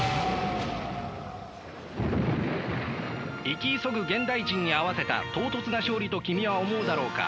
生き急ぐ現代人に合わせた唐突な勝利と君は思うだろうか。